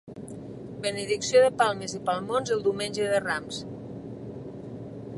Benedicció de palmes i palmons el Diumenge de Rams.